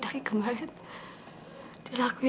saya percaya pada orangnya